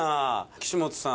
岸本さん